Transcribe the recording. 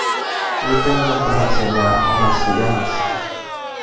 είπε με παραξενιά ο Βασιλιάς